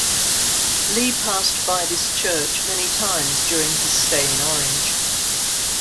Lee passed by this church many times during his stay in Orange.